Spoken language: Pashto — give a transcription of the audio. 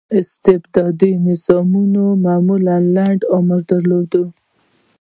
استبدادي نظامونه معمولا لنډ عمر یې درلود.